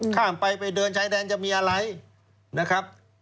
ข้ามไปไปเดินชายแดนจะมีอะไรนะครับ